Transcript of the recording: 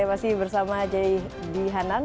saya masih bersama jayadi hanan